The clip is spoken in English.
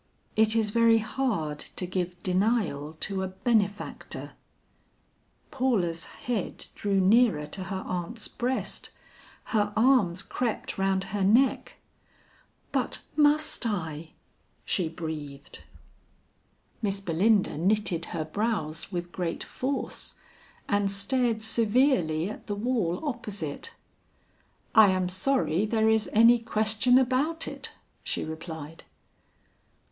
It is very hard to give denial to a benefactor." Paula's head drew nearer to her aunt's breast, her arms crept round her neck. "But must I?" she breathed. Miss Belinda knitted her brows with great force, and stared severely at the wall opposite. "I am sorry there is any question about it," she replied.